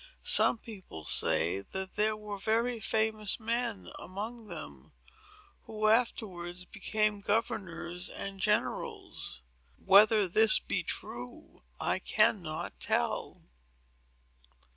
Some people say that there were very famous men among them, who afterwards became governors and generals. Whether this be true, I cannot tell."